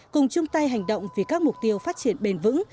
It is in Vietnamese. cùng chung tay hành động vì các mục tiêu phát triển bền vững